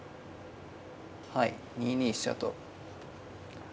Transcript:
はい２二飛車と。